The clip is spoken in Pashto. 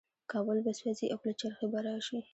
کابل به سوځي او پلچرخي به راشي.